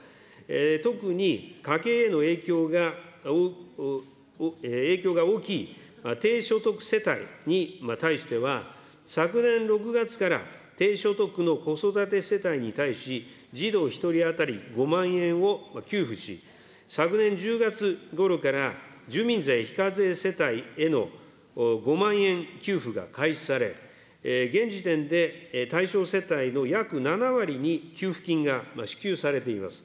特に家計への影響が大きい低所得世帯に対しては、昨年６月から低所得の子育て世帯に対し、児童１人当たり５万円を給付し、昨年１０月ごろから、住民税非課税世帯への５万円給付が開始され、現時点で、対象世帯の約７割に給付金が支給されています。